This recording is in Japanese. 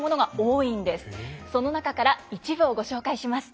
その中から一部をご紹介します。